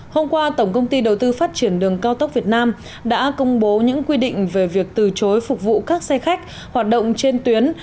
hôm qua tổng công ty đầu tư phát triển đường cao tốc việt nam đã công bố những quy định về việc từ chối phục vụ các xe khách hoạt động trên tuyến